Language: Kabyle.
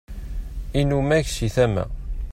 inumak si tama